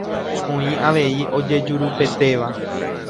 Oĩ avei ojejurupetéva.